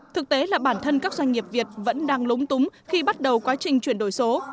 thực tế là bản thân các doanh nghiệp việt vẫn đang lúng túng khi bắt đầu quá trình chuyển đổi số